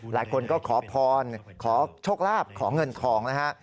หลายคนก็ขอพรขอโชคลาภขอเงินทองนะฮะ